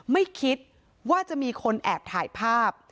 ไม่คิดว่าจะมีคนแอบถ่ายภาพ